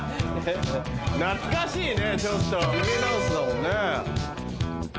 懐かしいねちょっとヒゲダンスだもんね。